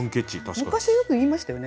昔よく言いましたよね？